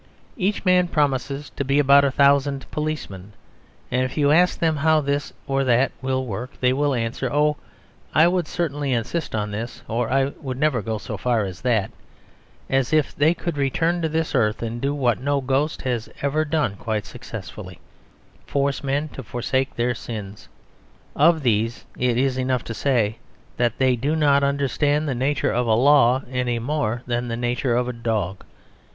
Each man promises to be about a thousand policemen. If you ask them how this or that will work, they will answer, "Oh, I would certainly insist on this"; or "I would never go so far as that"; as if they could return to this earth and do what no ghost has ever done quite successfully force men to forsake their sins. Of these it is enough to say that they do not understand the nature of a law any more than the nature of a dog.